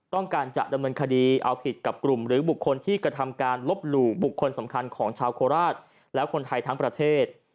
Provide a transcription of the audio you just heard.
ต้องการจะดำเนินคดีเอาผิดกับกลุ่มหรือบุคคลที่กระทำการลบหลู่บุคคลสำคัญของชาวโคราชและคนไทยทั้งประเทศ